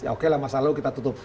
oke lah masa lalu kita tutup